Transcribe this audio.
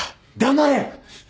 黙れ！